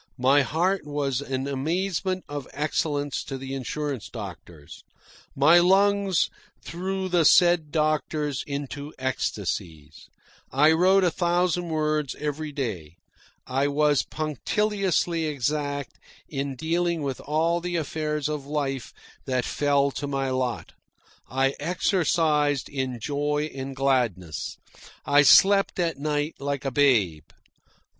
My heart was an amazement of excellence to the insurance doctors. My lungs threw the said doctors into ecstasies. I wrote a thousand words every day. I was punctiliously exact in dealing with all the affairs of life that fell to my lot. I exercised in joy and gladness. I slept at night like a babe.